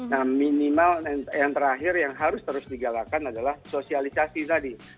nah minimal yang terakhir yang harus terus digalakan adalah sosialisasi tadi